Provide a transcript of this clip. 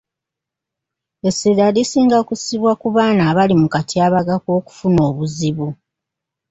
Essira lisinga kussibwa ku baana abali mu katyabaga k’okufuna obuzibu.